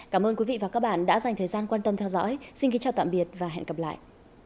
cảm ơn quý vị và các bạn đã dành thời gian quan tâm theo dõi xin kính chào tạm biệt và hẹn gặp lại